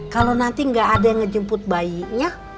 kalau nanti nggak ada yang ngejemput bayinya